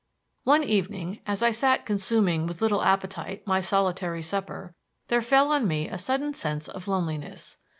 One evening, as I sat consuming with little appetite my solitary supper, there fell on me a sudden sense of loneliness.